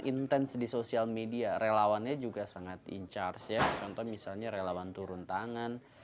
intens di sosial media relawannya juga sangat in charge ya contoh misalnya relawan turun tangan